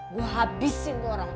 gue habisin tuh orang